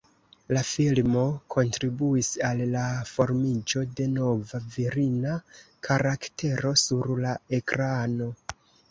La filmo kontribuis al la formiĝo de nova virina karaktero sur la ekrano.